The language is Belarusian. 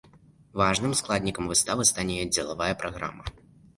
Важным складнікам выставы стане яе дзелавая праграма.